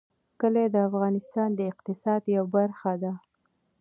کلي د افغانستان د اقتصاد یوه برخه ده.